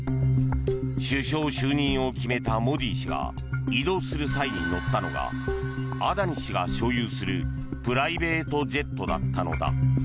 首相就任を決めたモディ氏が移動する際に乗ったのがアダニ氏が所有するプライベートジェットだったのだ。